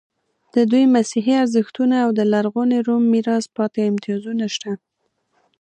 د دوی مسیحي ارزښتونه او د لرغوني روم میراث پاتې امتیازونه شته.